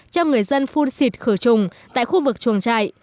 cho người dân phun xịt khử trùng tại khu vực chuồng trại